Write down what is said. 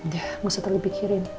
ya masa terlebih kirim